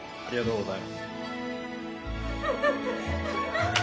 ありがとうございます。